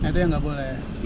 itu yang gak boleh